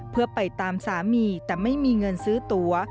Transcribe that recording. เพื่อไปตามสามีแต่ไม่มีเงินซื้อตัว